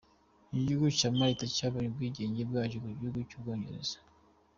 Igihugu cya Malta cyabonye ubwigenge bwacyo ku gihugu cy’ubwongereza.